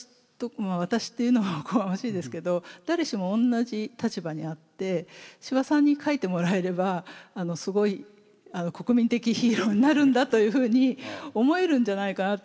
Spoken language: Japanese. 私っていうのもおこがましいですけど誰しも同じ立場にあって司馬さんに書いてもらえればすごい国民的ヒーローになるんだというふうに思えるんじゃないかなって。